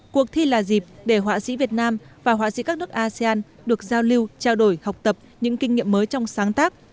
cuộc thi là dịp để họa sĩ việt nam và họa sĩ các nước asean được giao lưu trao đổi học tập những kinh nghiệm mới trong sáng tác